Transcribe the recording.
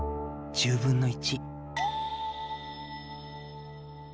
１０分の１。